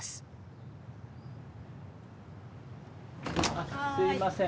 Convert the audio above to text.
あっすいません。